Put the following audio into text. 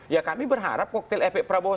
ya kami berharap koktel efek prabowo